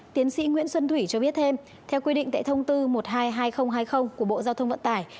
tiến sĩ nguyễn xuân thủy cho biết thêm theo quy định tại thông tư một trăm hai mươi hai nghìn hai mươi của bộ giao thông vận tải